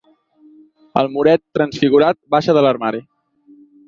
El moret transfigurat baixa de l'armari.